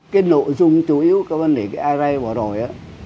cái nội dung chủ yếu của vấn đề ây rây bỏ rồi